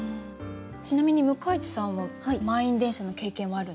ちなみに向井地さんは満員電車の経験はあるんですか？